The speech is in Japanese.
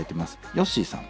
ヨッシーさん。